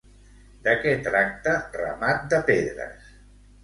De què tracta Ramat de Pedres?